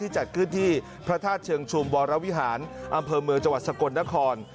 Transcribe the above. จัดขึ้นที่พระธาตุเชิงชุมวรวิหารอำเภอเมืองจังหวัดสกลนคร